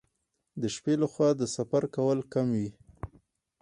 د شپې لخوا د سفر کول کم وي.